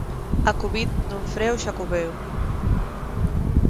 A covid non frea o Xacobeo.